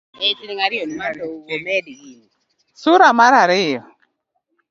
Sura mar ariyo: